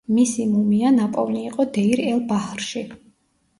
მისი მუმია ნაპოვნი იყო დეირ-ელ-ბაჰრში.